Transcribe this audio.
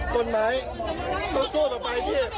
กฎหมายต้องสู้ต่อไปพี่